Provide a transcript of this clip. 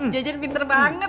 jajan pinter banget ya